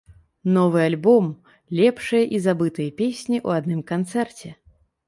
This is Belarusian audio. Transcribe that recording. Новы альбом, лепшыя і забытыя песні ў адным канцэрце!